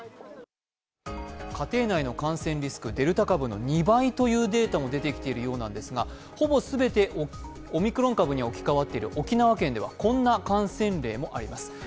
家庭内の感染リスク、デルタ株の２倍というデータも出てきているようなんですがほぼすべてオミクロン株に置き換わっている沖縄県ではこんな感染例もあります。